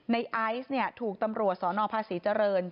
ในไอซ์เนี่ยถูกตำรวจสภศรีเจริญ